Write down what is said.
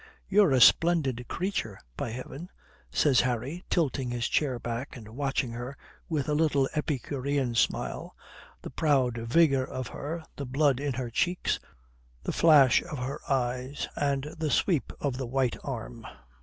"You're a splendid creature, by heaven," says Harry, tilting his chair back and watching her with a little epicurean smile, the proud vigour of her, the blood in her cheeks, the flash of her eyes, and the sweep of the white arm.